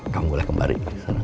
kamu boleh kembali